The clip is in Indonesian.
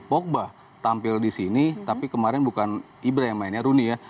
pogba tampil disini tapi kemarin bukan ibra yang mainnya rooney ya